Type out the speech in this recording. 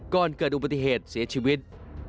ก่อนเกิดอุบัติเหตุเสียชีวิต